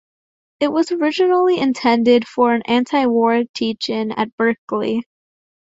It was originally intended for an anti-war teach-in at Berkeley.